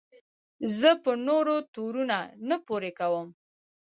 زه په نورو تورونه نه پورې کوم.